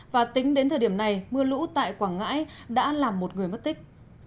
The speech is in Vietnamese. và tính đến thời điểm này mưa lũ tại quảng ngãi đã làm một người mất tích